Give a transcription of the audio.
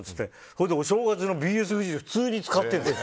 そしたらお正月のＢＳフジで普通に使ってるの。